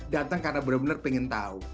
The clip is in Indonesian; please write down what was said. datang karena benar benar pengen tahu